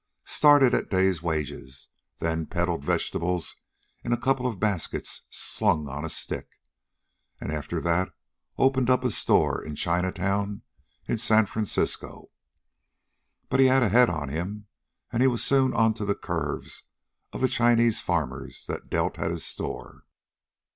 Started at day's wages, then peddled vegetables in a couple of baskets slung on a stick, and after that opened up a store in Chinatown in San Francisco. But he had a head on him, and he was soon onto the curves of the Chinese farmers that dealt at his store.